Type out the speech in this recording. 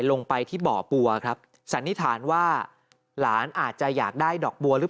ลงไปที่บ่อบัวครับสันนิษฐานว่าหลานอาจจะอยากได้ดอกบัวหรือเปล่า